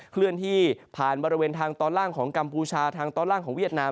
เคลื่อนที่ผ่านบริเวณทางตอนล่างของกัมพูชาทางตอนล่างของเวียดนาม